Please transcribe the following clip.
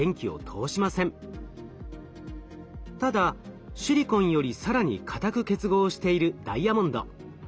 ただシリコンより更に硬く結合しているダイヤモンド。